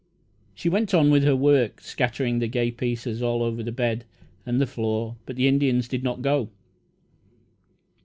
She went on with her work, scattering the gay pieces all over the bed and the floor, but the Indians did not go.